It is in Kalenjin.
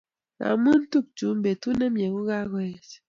Qamu tokguu betut nemie kokaech